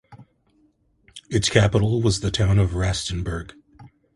Its capital was the town of Rastenburg.